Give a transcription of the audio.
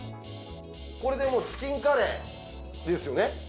これでもうチキンカレーですよね